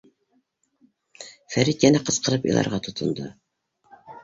— Фәрит йәнә ҡысҡырып иларға тотондо.